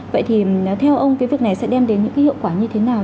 vậy thì theo ông cái việc này sẽ đem đến những cái hiệu quả như thế nào